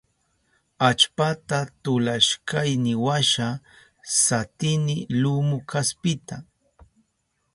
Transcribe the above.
Allpata tulashkayniwasha satini lumu kaspita.